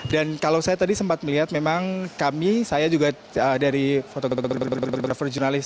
dan kalau saya tadi sempat melihat memang kami saya juga dari fotokopi fotokopi fotokopi fotokopi jurnalis